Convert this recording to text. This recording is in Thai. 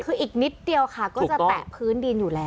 คืออีกนิดเดียวค่ะก็จะแตะพื้นดินอยู่แล้ว